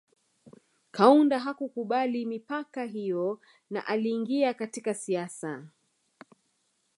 Kaunda hakukubali mipaka hiyo na aliingia katika siasa